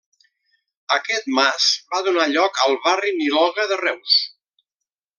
Aquest mas va donar lloc al Barri Niloga de Reus.